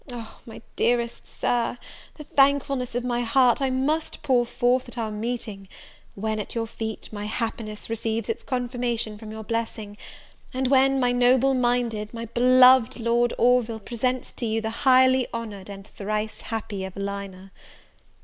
O, my dearest Sir, the thankfulness of my heart I must pour forth at our meeting, when, at your feet, my happiness receives its confirmation from your blessing; and when my noble minded, my beloved Lord Orville, presents to you the highly honoured, and thrice happy Evelina.